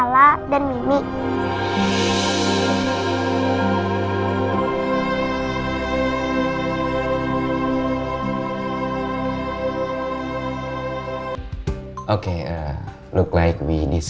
reina kamu marah ya sama dia